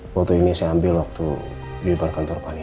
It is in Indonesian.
foto ini saya ambil waktu di depan kantor pani